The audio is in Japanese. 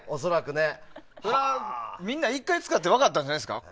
みんな１回使って分かったんじゃないですか。